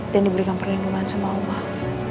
dan diberikan perlindungan sama allah